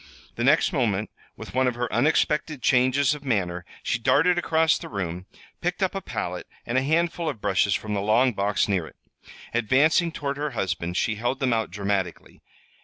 The next moment, with one of her unexpected changes of manner, she darted across the room, picked up a palette, and a handful of brushes from the long box near it. Advancing toward her husband she held them out dramatically.